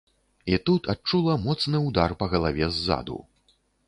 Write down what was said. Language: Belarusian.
І тут адчула моцны ўдар па галаве ззаду.